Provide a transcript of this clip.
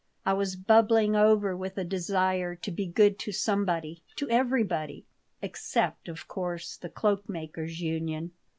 I was bubbling over with a desire to be good to somebody, to everybody except, of course, the Cloak makers' Union.